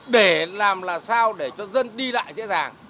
để làm làm sao để cho dân đi lại dễ dàng